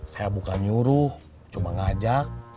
saya bukan nyuruh cuma ngajak